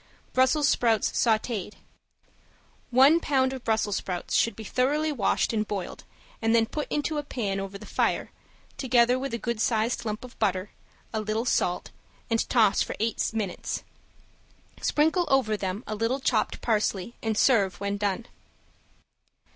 ~BRUSSELS SPROUTS SAUTED~ One pound of Brussels sprouts should be thoroughly washed and boiled and then put into a pan over the fire together with a good sized lump of butter, a little salt, and toss for eight minutes. Sprinkle over them a little chopped parsley, and serve when done.